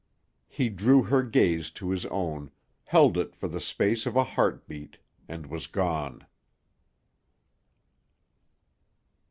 '" He drew her gaze to his own, held it for the space of a heart beat, and was gone.